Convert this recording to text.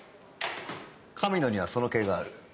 神野にはその気がある。